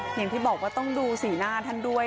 อย่างที่บอกว่าต้องดูสีหน้าท่านด้วย